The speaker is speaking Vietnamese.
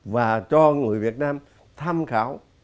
và cho người việt nam tham khảo